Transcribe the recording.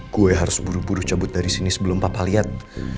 gue harus buru buru cabut dari sini sebelum papa lihat